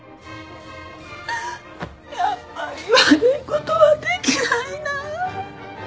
やっぱり悪いことはできないなぁ。